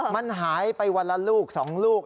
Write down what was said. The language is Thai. มันหายไปวันละลูก๒ลูก